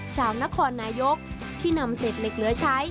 ชาวนครนายกที่นำเสร็จเหล็กเลื้อชัย